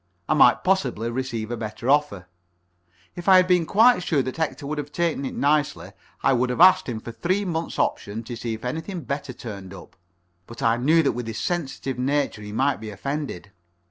I might possibly receive a better offer. If I had been quite sure that Hector would have taken it nicely, I would have asked him for a three months' option to see if anything better turned up, but I knew that with his sensitive nature he might be offended.